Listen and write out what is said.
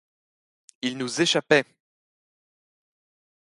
Il nous échappait!